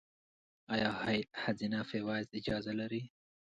ایا ښځینه پایواز اجازه لري؟